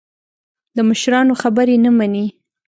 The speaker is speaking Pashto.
د مشرانو خبرې نه مني.